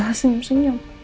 lo malah senyum senyum